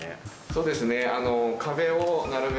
そうですねあの。